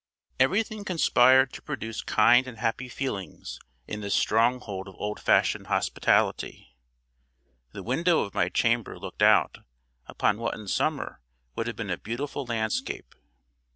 Everything conspired to produce kind and happy feelings in this stronghold of old fashioned hospitality. The window of my chamber looked out upon what in summer would have been a beautiful landscape.